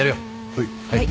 はい。